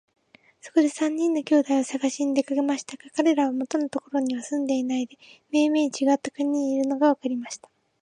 そこで三人の兄弟をさがしに出かけましたが、かれらは元のところには住んでいないで、めいめいちがった国にいるのがわかりました。